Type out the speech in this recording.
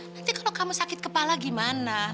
nanti kalau kamu sakit kepala gimana